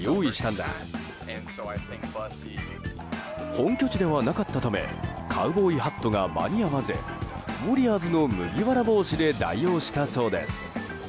本拠地ではなかったためカウボーイハットが間に合わずウォリアーズの麦わら帽子で代用したそうです。